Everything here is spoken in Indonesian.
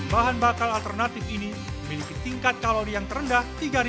bahan bakar alternatif ini memiliki tingkat kalori yang terendah tiga